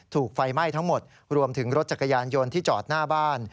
ถูกไฟไหม้ทั้งหมดรวมถึงรถจักรยานยนต์ที่จอดหน้าบ้าน